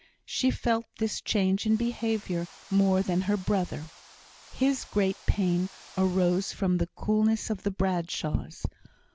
She felt this change in behaviour more than her brother. His great pain arose from the coolness of the Bradshaws.